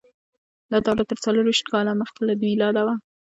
دا دوره تر څلور ویشت کاله مخکې له میلاده وه.